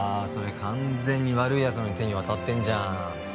それ完全に悪いヤツらの手に渡ってんじゃん